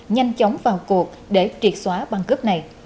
nhanh chóng vào cuộc để triệt xóa băng cướp này